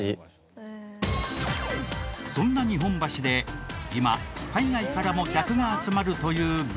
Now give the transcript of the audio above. そんな日本橋で今海外からも客が集まるというグルメには。